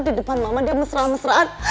di depan mama dia mesra mesraan